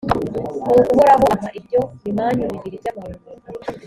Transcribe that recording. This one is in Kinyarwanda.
nuko uhoraho ampa ibyo bimanyu bibiri by’amabuye.